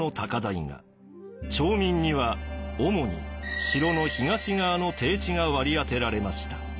町民には主に城の東側の低地が割り当てられました。